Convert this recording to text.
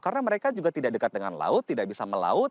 karena mereka juga tidak dekat dengan laut tidak bisa melaut